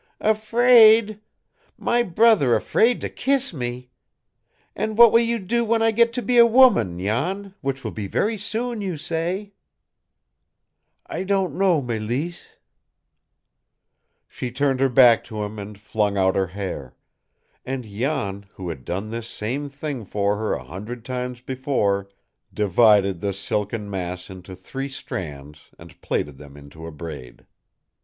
"Afraid! My brother afraid to kiss me! And what will you do when I get to be a woman, Jan which will be very soon, you say?" "I don't know, Mélisse." She turned her back to him and flung out her hair; and Jan, who had done this same thing for her a hundred times before, divided the silken mass into three strands and plaited them into a braid.